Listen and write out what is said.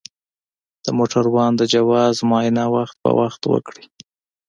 د موټروان د جواز معاینه وخت په وخت وکړئ.